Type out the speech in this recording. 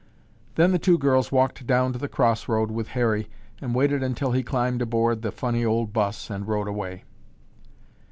Then the two girls walked down to the cross road with Harry and waited until he climbed aboard the funny old 'bus and rode away.